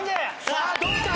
さあどうか？